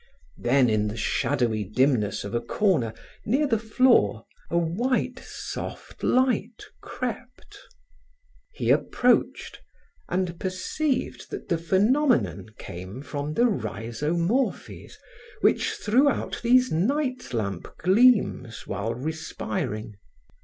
Then, in the shadowy dimness of a corner, near the floor, a white soft light crept. He approached and perceived that the phenomenon came from the Rhizomorphes which threw out these night lamp gleams while respiring.